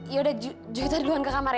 yaudah kita duluan ke kamar ya